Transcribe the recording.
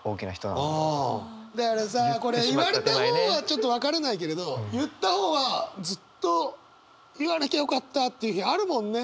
だからさこれ言われた方はちょっと分からないけれど言った方はずっと言わなきゃよかったって日あるもんね！